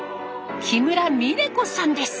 木村美音子さんです。